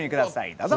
どうぞ。